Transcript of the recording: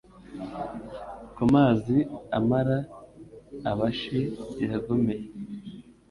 Ku mazi amara Abashi yagomeye,